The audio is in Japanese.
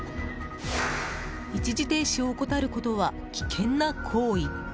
一時停止を怠ることは危険な行為。